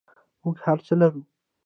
موږ هر څه لرو